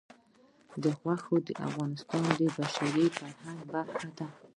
غوښې د افغانستان د بشري فرهنګ برخه ده.